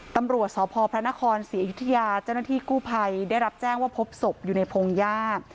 ตำรวจสพพระนครศรีอยุธยาเจ้าหน้าที่กู้ภัยได้รับแจ้งว่าพบศพอยู่ในพงหญ้า